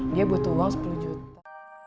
dia butuh uang sepuluh juta